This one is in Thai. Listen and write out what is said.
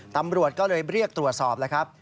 ตำรวจก็เลยเรียกตรวจสอบแล้วครับ